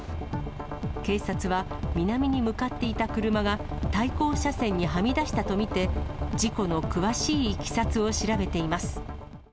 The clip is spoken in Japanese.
警察は、南に向かっていた車が対向車線にはみ出したと見て、事故の詳しいいきさつを調べています。